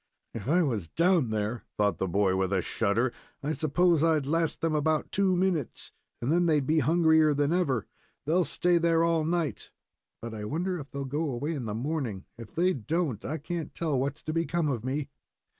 "If I was down there," thought the boy, with a shudder, "I suppose I'd last them about two minutes, and then they'd be hungrier than ever. They'll stay there all night, but I wonder if they'll go away in the morning. If they don't, I can't tell what's to become of me."